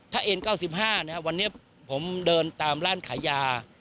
ถ้าเอ็น๙๕นะครับวันนี้ผมเดินตามร้านขายยา